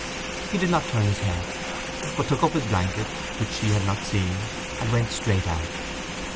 He did not turn his head, but took up his blanket, which she had not seen, and went straight out.